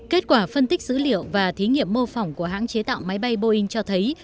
kết quả phân tích dữ liệu và thí nghiệm mô phỏng của hãng chế tạo máy bay boeing cho thấy